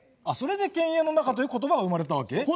あっそれで「犬猿の仲」という言葉が生まれたわけ？